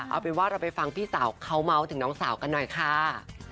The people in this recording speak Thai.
เอาเป็นว่าเราไปฟังพี่สาวเขาเมาส์ถึงน้องสาวกันหน่อยค่ะ